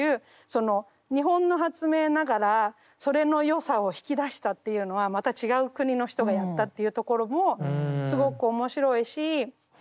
その日本の発明ながらそれの良さを引き出したっていうのはまた違う国の人がやったっていうところもすごく面白いし。